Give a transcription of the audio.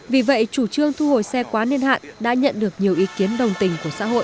vì vậy chủ trương thu hồi xe quá niên hạn đã nhận được nhiều ý kiến đồng tình của xã hội